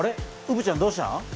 うぶちゃんどうしたん？